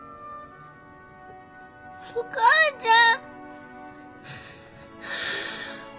お母ちゃん。